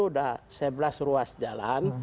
sudah sebelas ruas jalan